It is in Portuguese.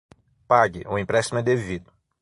Pague, o empréstimo é devido.